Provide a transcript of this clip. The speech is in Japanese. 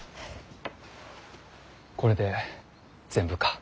これで全部か。